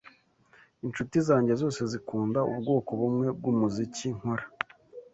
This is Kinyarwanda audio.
Inshuti zanjye zose zikunda ubwoko bumwe bwumuziki nkora.